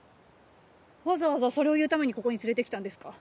わざわざそれを言うためにここに連れてきたんですか？